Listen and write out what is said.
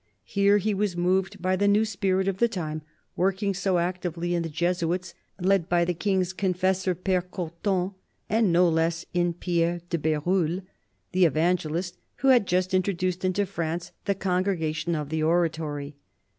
Here he was moved by the new spirit of the time, working so actively in the Jesuits, led by the King's confessor, Pfere Cotton, and no less in Pierre de Berulle, the evangelist, who had just introduced into France the Congregation of the Oratory.